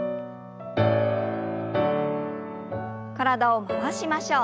体を回しましょう。